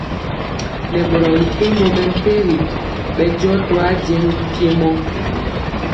Nɛ boro mepempɔ mɛmpegi bɛndiɔ toajeŋg mpiemɔ.